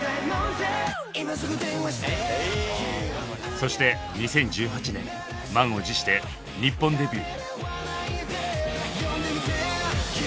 そして２０１８年満を持して日本デビュー。